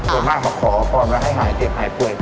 ส่วนมากเขาขอปรอบรับให้หายเจ็บหายเปื่อย